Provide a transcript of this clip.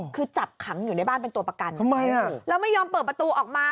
คือจับขังอยู่ในบ้านเป็นตัวประกันทำไมอ่ะแล้วไม่ยอมเปิดประตูออกมา